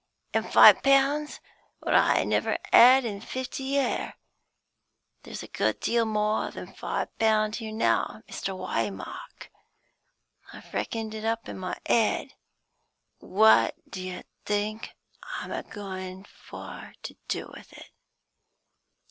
An' five pound's what I never 'ad in fifty year. There's a good deal more than five pound 'ere now, Mr. Waymark; I've reckoned it up in my 'cad. What d' you think I'm a goin' for to do with it?"